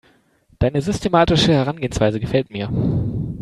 Deine systematische Herangehensweise gefällt mir.